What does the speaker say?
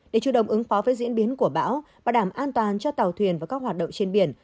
để chủ động ứng phó với diễn biến của bão bảo đảm an toàn cho tàu thuyền và các hoạt động trên biển